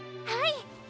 はい！